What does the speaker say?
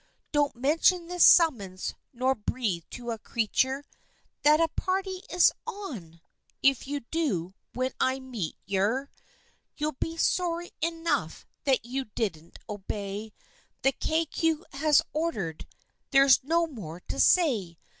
Don't mention this summons nor breathe to a creature That a party is on ! If you do, when I meet yer You'll be sorry enough that you didn't obey ! The Kay Cue has ordered ! There's no more to say.